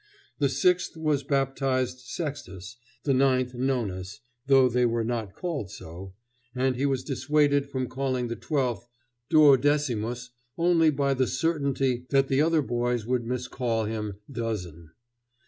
The sixth was baptized Sextus, the ninth Nonus, though they were not called so, and he was dissuaded from calling the twelfth Duodecimus only by the certainty that the other boys would miscall him "Dozen."